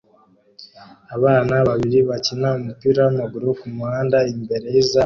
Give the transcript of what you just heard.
Abana babiri bakina umupira wamaguru kumuhanda imbere yizamu